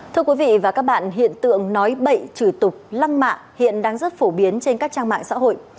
thưa quý vị và các bạn hiện tượng nói bậy chửi tục lăng mạ hiện đang rất phổ biến trên các trang mạng xã hội